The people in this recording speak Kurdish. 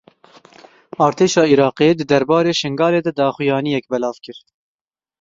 Artêşa Iraqê di derbarê Şingalê de daxuyaniyek belav kir.